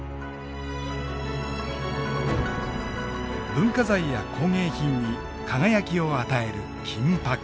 文化財や工芸品に輝きを与える金箔。